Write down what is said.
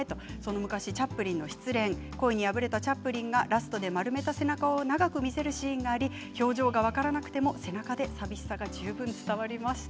昔、チャップリンの失恋恋に敗れたチャップリンがラストで丸めた背中を長く見せるシーンがあり表情が分からなくても背中で寂しさが十分伝わりました。